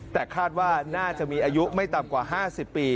แต่คาดว่าน่าจะมีอายุไม่ต่ำกว่า๕๐ปี